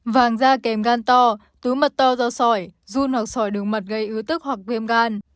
vàng da kèm gan to túi mật to do sỏi run hoặc sỏi đường mật gây ứ tức hoặc viêm gan